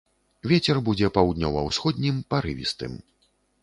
Вецер будзе паўднёва-ўсходнім, парывістым.